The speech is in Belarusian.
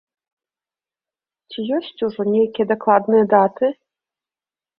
Ці ёсць ужо нейкія дакладныя даты?